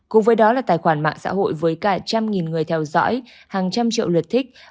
cùng với đó là tài khoản mạng xã hội với cả trăm nghìn người theo dõi